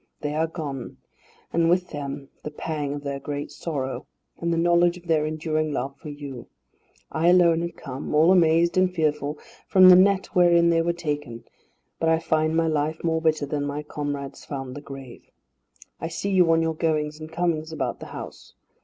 They are gone, and with them the pang of their great sorrow, and the knowledge of their enduring love for you. I alone have come, all amazed and fearful, from the net wherein they were taken, but I find my life more bitter than my comrades found the grave. I see you on your goings and comings about the house.